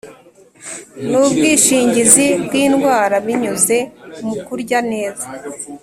N ubwishingizi bw indwara binyuze mu kurya neza